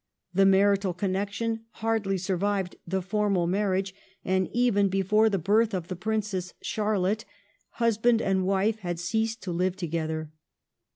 The marital connection hardly survived the formal marriage, and even before the birth of the Princess Charlotte husband and wife had ceased to live together.